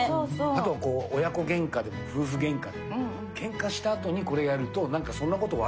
あとは親子げんかでも夫婦げんかでもけんかしたあとにこれやるとなんかそんなこと忘れて。